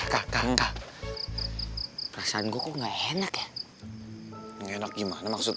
kakak kakak perasaan gua enggak enak enggak enak gimana maksud